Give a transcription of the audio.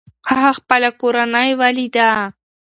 هغه خپله کورنۍ وليده.